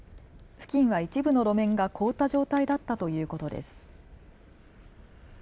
付近は一部の路面が凍った状態だったということです。